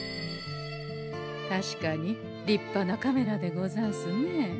確かに立派なカメラでござんすね。